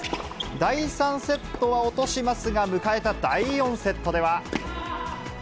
第３セットは落としますが、迎えた第４セットでは。